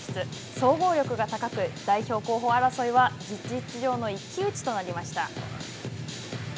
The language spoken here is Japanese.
総合力が高く代表候補争いは事実上の一騎打ちとなりました。